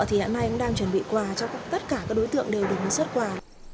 thì hiện nay cũng đang chuẩn bị quà cho tất cả các đối tượng đều được xuất quà